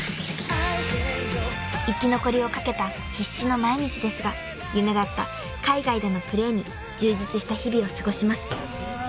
［生き残りをかけた必死の毎日ですが夢だった海外でのプレーに充実した日々を過ごします］